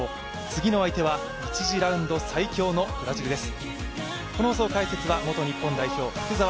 次の相手は１次ラウンド最強のブラジルです。